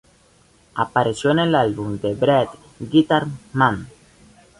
Apareció en el álbum de Bread "Guitar Man.